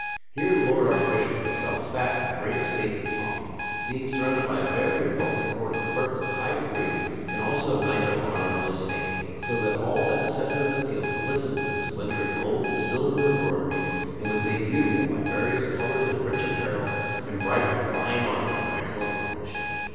Here the lord Arch bishop himself sat in great estate and pomp, being surrounded by a very exalted court of clerks of high degree and also of knights of honorable estate, so that all that centre of the field glistered with the splendor of gold and silver embroidery, and was made beautiful by various colors of rich apparel and bright with fine armor of excellent workmanship.